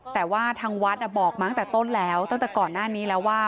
แต่ว่าทางวัดบอกมาตั้งแต่ต้นแล้วตั้งแต่ก่อนหน้านี้แล้วว่า